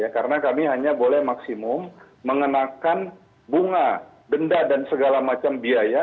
karena kami hanya boleh maksimum mengenakan bunga benda dan segala macam biaya